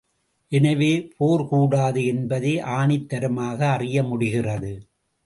எனவே, போர் கூடாது என்பதை ஆணித்தரமாக அறிய முடிகிறது.